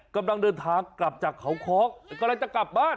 กำลังเดินทางกลับจากเขาค้องกำลังจะกลับบ้าน